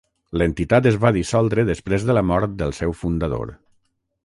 L'entitat es va dissoldre després de la mort del seu fundador.